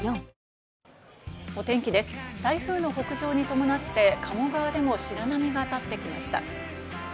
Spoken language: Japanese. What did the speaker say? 台風の北上に伴って、鴨川でも白波が立ってきました。